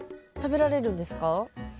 食べられるんですか？